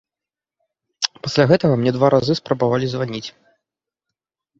Пасля гэтага мне два разы спрабавалі званіць.